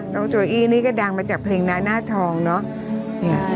นี่ก็ดังมาจากเพลงนะน่าทองเนาะ